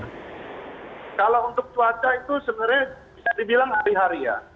kalau untuk cuaca itu sebenarnya bisa dibilang hari hari ya